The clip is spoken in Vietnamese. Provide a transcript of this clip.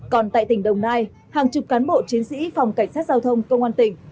còn tại tỉnh đồng nai hàng chục cán bộ chiến sĩ phòng cảnh sát giao thông công an tỉnh